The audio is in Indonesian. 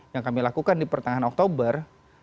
yang kami lakukan di pertengahan oktober